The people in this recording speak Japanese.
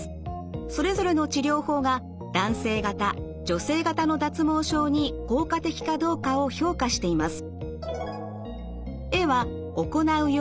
それぞれの治療法が男性型女性型の脱毛症に効果的かどうかを評価しています。